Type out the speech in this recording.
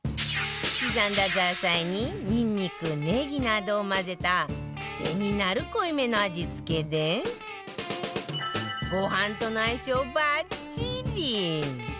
刻んだザーサイにニンニクネギなどを混ぜた癖になる濃いめの味付けでご飯との相性バッチリ！